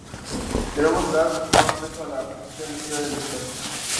Deberíamos dar más peso a la participación activa del lector.